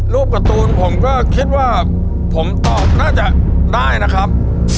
การ์ตูนผมก็คิดว่าผมตอบน่าจะได้นะครับ